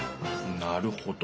なるほど。